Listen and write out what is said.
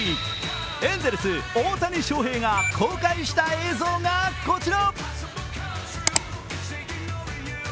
エンゼルス・大谷翔平が公開した映像がこちら。